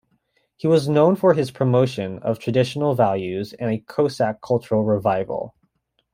He was known for his promotion of traditional values and a Cossack cultural revival.